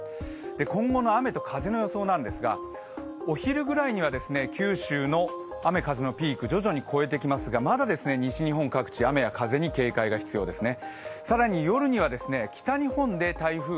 今後の雨と風の予想なんですが、お昼ぐらいには九州の雨風のピーク、徐々に超えてきますが、まだ西日本各地、雨や風に警戒が必要ですね。